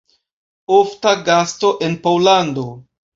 Ofta gasto en Pollando.